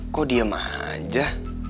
kok diam aja